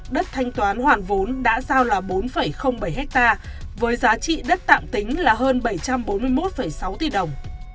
đất thanh toán hoàn vốn đã giao là bốn bảy hectare với giá trị đất tạm tính là hơn bảy trăm bốn mươi một sáu tỷ đồng